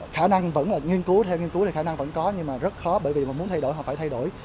khả năng vẫn là nghiên cứu theo nghiên cứu thì khả năng vẫn có nhưng mà rất khó bởi vì mà muốn thay đổi hoặc phải thay đổi